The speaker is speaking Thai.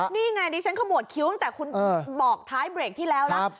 นี่ไงนี่ฉันขโมช์คิ้วตั้งแต่คุณบอกท้ายเบรคที่แล้วนะครับ